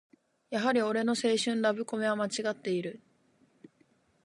やはり俺の青春ラブコメはまちがっている